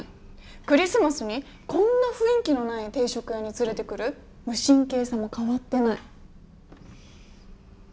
クリスマスにこんな雰囲気のない定食屋に連れてくる無神経さも変わってない。